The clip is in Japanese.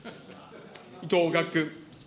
伊藤岳君。